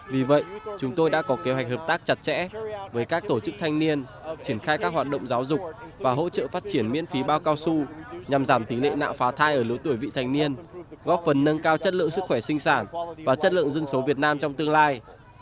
vì vậy chúng tôi đã có kế hoạch hợp tác chặt chẽ với các tổ chức thanh niên triển khai các hoạt động giáo dục và hỗ trợ phát triển miễn phí bao cao su nhằm giảm tính lệ nạo phá thai ở lối tuổi vị thành niên góp phần nâng cao chất lượng sức khỏe sinh sản và chất lượng dân số việt nam trong tương lai